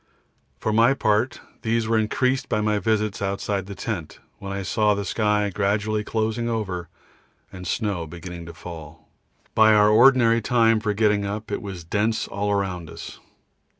For my part these were increased by my visits outside the tent, when I saw the sky gradually closing over and snow beginning to fall. By our ordinary time for getting up it was dense all around us.